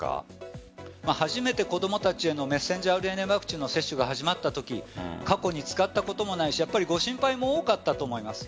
初めて子供たちへのメッセンジャーＲＮＡワクチンの接種が始まったとき過去に使ったこともないしご心配も多かったと思います。